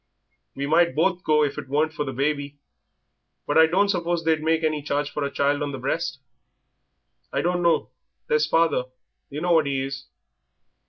We might both go if it weren't for the baby, but I don't suppose they'd make any charge for a child on the breast." "I dunno. There's father; yer know what he is."